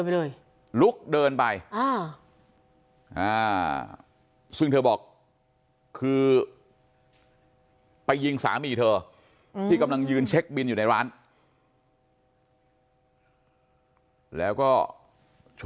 เดินไปเลย